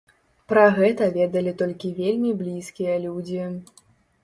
Пра гэта ведалі толькі вельмі блізкія людзі.